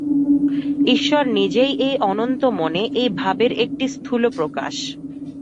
ঈশ্বর নিজেই এই অনন্ত মনে এই ভাবের একটি স্থূল প্রকাশ।